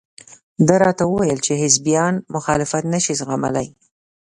ده راته وویل چې حزبیان مخالفت نشي زغملى.